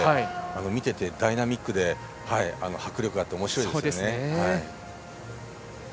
見ていてダイナミックで迫力があっておもしろいですね。